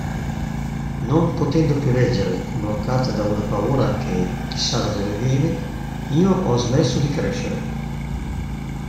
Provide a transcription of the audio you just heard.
Non potendo più leggere, bloccata da una paura che chissà da dove viene, io ho smesso di crescere.